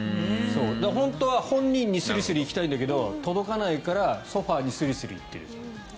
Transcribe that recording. だから、本当は本人にすりすり行きたいんだけど届かないからソファにすりすり行ってると。